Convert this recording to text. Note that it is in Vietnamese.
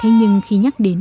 thế nhưng khi nhắc đến